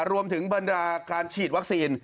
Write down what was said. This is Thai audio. รวมถึงบรรดาการฉีดวัคซีน